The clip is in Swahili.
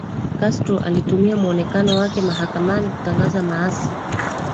Castro alitumia muonekano wake mahakamani kutangaza maasi